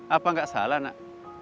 apa gak salah nak